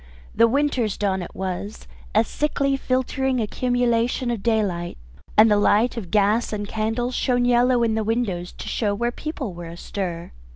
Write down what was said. The Winter's dawn it was, a sickly filtering accumulation of daylight, and the light of gas and candles shone yellow in the windows to show where people were astir.